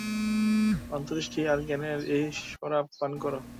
অন্তর্দৃষ্টি আর জ্ঞানের এই শরাব পান কর।